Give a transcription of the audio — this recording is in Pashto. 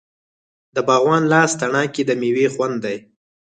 د باغوان لاس تڼاکې د میوې خوند دی.